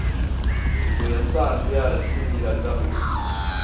ngo yasanze yaratinyiraga ubusa.